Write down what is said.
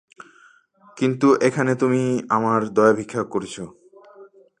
কিন্তু এখানে তুমি আমার দয়া ভিক্ষা করেছ।